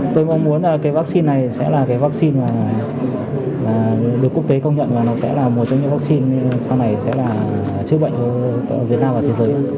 tôi mong muốn vaccine này sẽ là vaccine được quốc tế công nhận và nó sẽ là một trong những vaccine sau này sẽ là chứa bệnh cho việt nam và thế giới